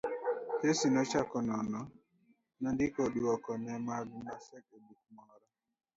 Tesi nochako none, nondiko dwoko te mag Naseko e buk moro